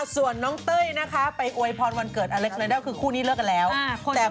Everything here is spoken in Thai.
ส่วนน้องเต้ยนะคะไปอวยพรวันเกิดอเล็กัลคือคู่นี้เลิกกันแล้ว